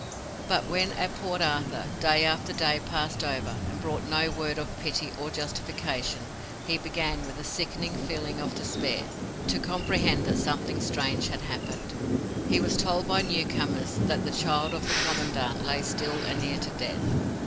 But when, at Port Arthur, day after day passed over, and brought no word of pity or justification, he began, with a sickening feeling of despair, to comprehend that something strange had happened. He was told by newcomers that the child of the Commandant lay still and near to death.